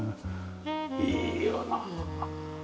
いいよなあ。